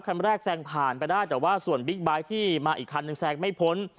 คันแรกแซงผ่านไปได้แต่ว่าส่วนบิ๊กไบท์ที่มาอีกคันหนึ่งแซงไม่พ้น